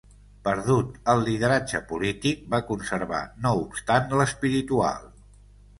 Perdut el lideratge polític, va conservar no obstant l'espiritual.